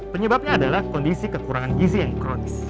penyebabnya adalah kondisi kekurangan gizi yang kronis